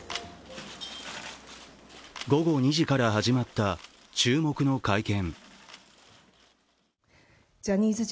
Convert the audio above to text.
午後２時から始まった、注目の会見。